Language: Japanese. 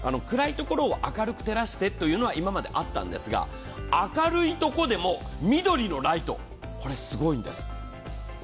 暗いところを明るく照らしてというのは今まであったんですが、明るいところでも緑のライト、これすごいんです。